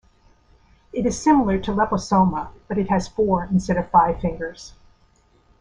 It is similar to "Leposoma", but it has four instead of five fingers.